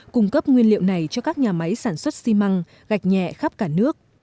cung cấp nguyên liệu này cho các nhà máy sản xuất xi măng gạch nhẹ khắp cả nước